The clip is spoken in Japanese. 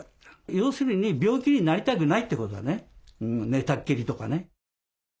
要するに病気になりたくないってことだね寝たっきりとかね。